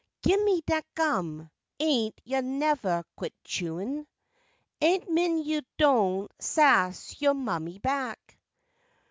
Gimme dat gum! Ain't yo' nevuh quit chewin' ? An' min' yo' don' sass yo' mammy back!